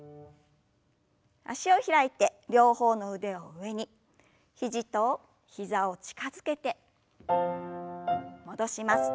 脚を開いて両方の腕を上に肘と膝を近づけて戻します。